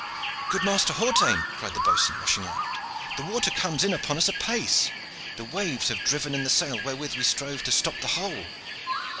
"Good Master Hawtayne," cried the boatswain, rushing aft, "the water comes in upon us apace. The waves have driven in the sail wherewith we strove to stop the hole."